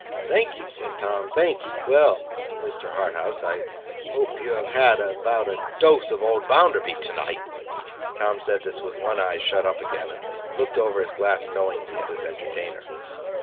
'Thank'ee,' said Tom. 'Thank'ee. Well, Mr. Harthouse, I hope you have had about a dose of old Bounderby to night.' Tom said this with one eye shut up again, and looking over his glass knowingly, at his entertainer.